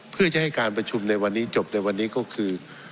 เพื่อจะให้การประชุมในวันนี้จบในวันนี้ก็คือ